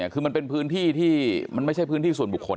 คือมันเป็นพื้นที่ที่มันไม่ใช่พื้นที่ส่วนบุคคล